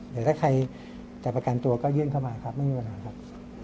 เดี๋ยวถ้าใครจะประกันตัวก็ยื่นเข้ามาครับไม่มีเวลาครับ